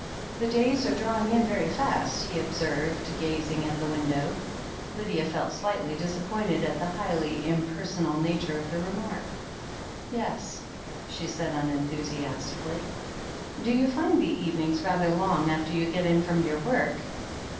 "The days are drawing in very fast," he observed, gazing at the window. Lydia felt slightly disappointed at the highly imper sonal nature of the remark. "Yes," she said unenthusiastically. "Do you find the evenings rather long after you get in from your work?